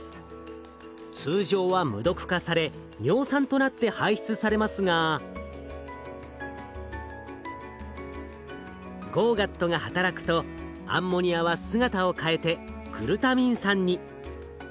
通常は無毒化され尿酸となって排出されますがＧＯＧＡＴが働くとアンモニアは姿を変えてグルタミン酸に。